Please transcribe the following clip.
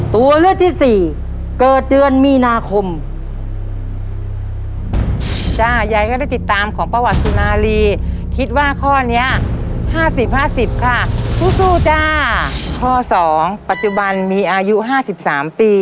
ตัวเลือดที่๒ปัจจุบันมีอายุ๕๓ปี